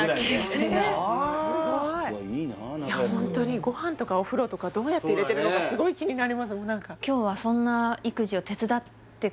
いいな仲良くすごいいやホントにご飯とかお風呂とかどうやって入れてるのかすごい気になります